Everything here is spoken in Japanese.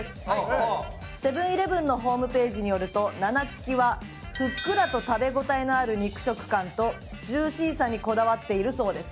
セブン−イレブンのホームページによるとななチキはふっくらと食べ応えのある肉食感とジューシーさにこだわっているそうです。